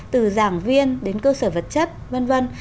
từ giảng viên đến cơ sở vật chất vân vân